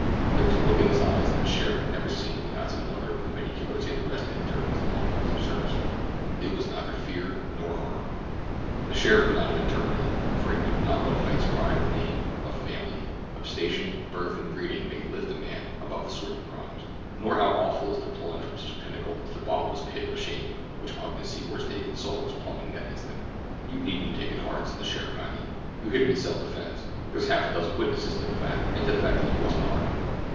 There was a look in his eyes that the sheriff had never seen in the eyes of another of the many killers he had arrested during his long years of service. It was neither fear nor horror—the sheriff could not have interpreted it, for he knew not to what heights pride of name, of family, of station, birth, and breeding may lift a man above the sordid crimes, nor how awful is the plunge from such a pinnacle to the bottomless pit of shame which Ogden Secor's naked soul was plumbing that instant. "You needn't take it hard," said the sheriff kindly. "You hit him in self defense—there's half a dozen witnesses to that and to the fact that you wasn't armed.